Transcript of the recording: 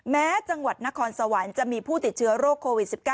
แม้จังหวัดนครสวรรค์จะมีผู้ติดเชื้อโรคโควิด๑๙